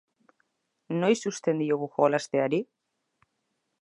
Noiz uzten diogu jolasteari?